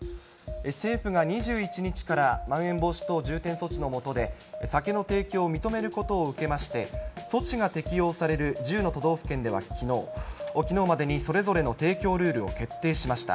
政府が２１日からまん延防止等重点措置の下で酒の提供を認めることを受けまして、措置が適用される１０の都道府県ではきのう、きのうまでにそれぞれの提供ルールを決定しました。